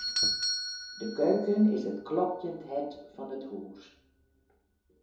De keuken is it klopjend hert fan it hús.